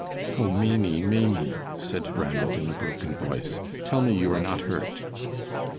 "Oh, Maimie, Maimie," said Ranald, in a broken voice, "tell me you are not hurt."